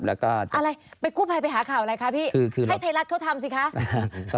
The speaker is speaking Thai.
อะไรไปคู่ภายไปหาข่าวอะไรคะพี่ให้เทรักเข้าทำสิคะ